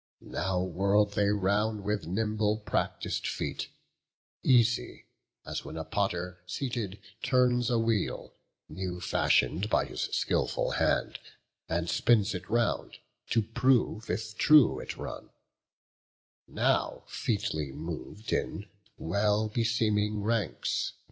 Now whirl'd they round with nimble practis'd feet, Easy, as when a potter, seated, turns A wheel, new fashion'd by his skilful hand, And spins it round, to prove if true it run; Now featly mov'd in well beseeming ranks.